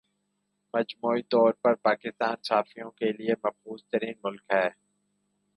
مجموعی طور پر پاکستان صحافیوں کے لئے محفوظ ترین ملک ہے